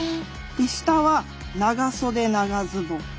で下は長袖長ズボン。